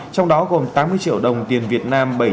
trong đó gồm tám mươi triệu đồng tiền việt nam